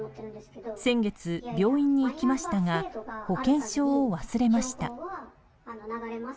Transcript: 先月、病院に行きましたが保険証を忘れました。